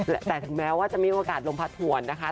แต่ถึงแม้ว่าจะมีโอกาสลมพัดถวนนะคะ